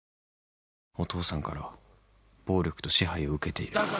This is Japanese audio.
「お父さんから暴力と支配を受けている」